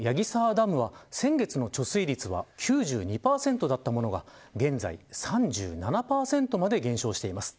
ダムは先月の貯水率は９２％だったものが現在３７％まで減少しています。